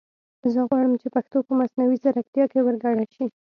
زه غواړم چې پښتو په مصنوعي زیرکتیا کې ور ګډه شي